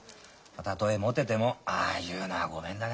たとえもててもああいうのはごめんだね。